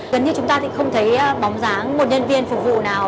gần như chúng ta thì không thấy bóng dáng một nhân viên phục vụ nào